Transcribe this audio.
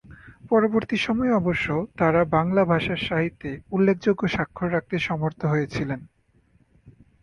পরবর্তী সময়ে অবশ্য তাঁরা বাংলা ভাষা সাহিত্যে উল্লেখযোগ্য স্বাক্ষর রাখতে সমর্থ হয়েছিলেন।